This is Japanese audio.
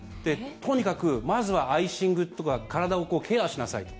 とにかく、まずはアイシングとか体をケアしなさいと。